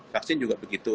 vaksin juga begitu